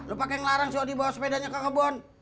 lo pake ngelarang si odi bawa sepedanya ke kebun